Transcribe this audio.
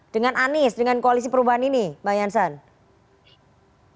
dengan anies dengan koalisi perubahan ini bang jansen